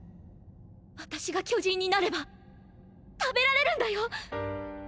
私が巨人になれば食べられるんだよ。